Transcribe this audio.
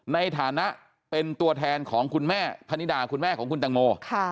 ในฐานะเป็นตัวแทนของแม่ฟนีดาของคุณตังโม